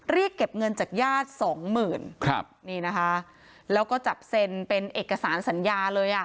เรียกเก็บเงินจากญาติสองหมื่นครับนี่นะคะแล้วก็จับเซ็นเป็นเอกสารสัญญาเลยอ่ะ